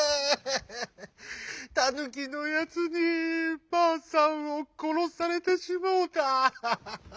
「タヌキのやつにばあさんをころされてしもうた」。